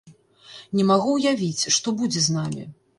Не магу ўявіць, што будзе з намі.